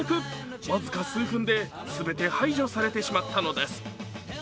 僅か数分で全て排除されてしまったのです。